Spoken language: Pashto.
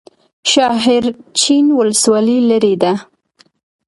شاحرچین ولسوالۍ لیرې ده؟